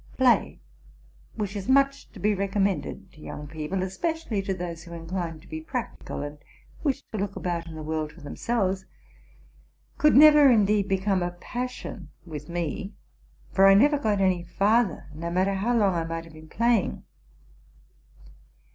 Play, which is much to be recommended to young people, especially to those who incline to be practical, and wish to look about in 988 TRUTH AND FICTION the world for themselves, could never, indeed, become a pas sion with me; for I never got any farther, no matter how long I might have been playing.